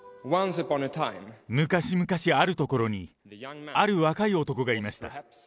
昔々あるところに、ある若い男がいました。